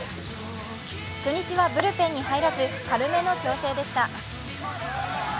初日はブルペンに入らず、軽めの調整でした。